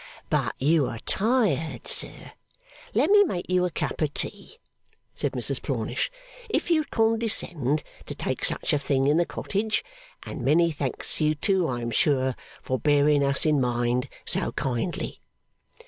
'But you are tired, sir. Let me make you a cup of tea,' said Mrs Plornish, 'if you'd condescend to take such a thing in the cottage; and many thanks to you, too, I am sure, for bearing us in mind so kindly.